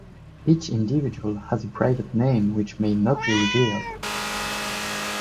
Each individual has a private name which may not be revealed.